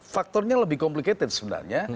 faktornya lebih komplikated sebenarnya